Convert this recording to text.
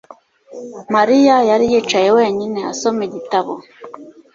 Mariya yari yicaye wenyine, asoma igitabo.